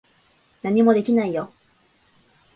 何もできないよ。